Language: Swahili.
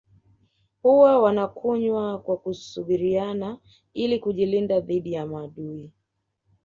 Huwa wanakunywa kwa kusubiriana ili kujilinda dhidi ya maadui